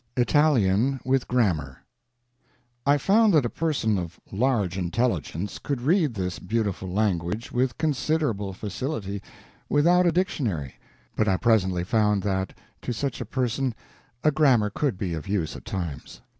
ITALIAN WITH GRAMMAR I found that a person of large intelligence could read this beautiful language with considerable facility without a dictionary, but I presently found that to such a person a grammar could be of use at times.